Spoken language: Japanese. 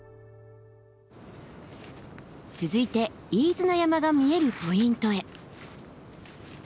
続いて飯縄山が見えるポイントへ。